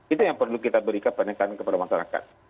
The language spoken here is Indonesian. itu yang perlu kita berikan penekanan kepada masyarakat